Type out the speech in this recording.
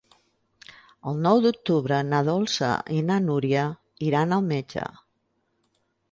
El nou d'octubre na Dolça i na Núria iran al metge.